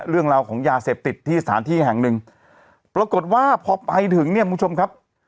เรื่องราวของยาเสพติดที่สถานที่แห่งหนึ่งปรากฏว่าพอไปถึงเนี่ยคุณผู้ชมครับ